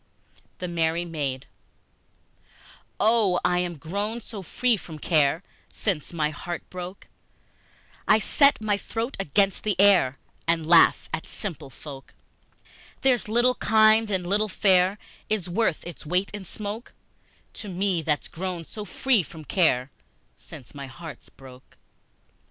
The Merry Maid OH I am grown so free from care Since my heart broke! I set my throat against the air, I laugh at simple folk! There's little kind and little fair Is worth its weight in smoke To me, that's grown so free from care Since my heart broke!